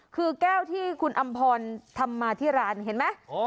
คือแก้วที่คุณอำพรทำมาที่ร้านเห็นไหม